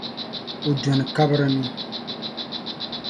O dɔni kabiri ni.